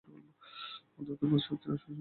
অদ্বৈতবাদ হচ্ছে শক্তির শাশ্বত আকর।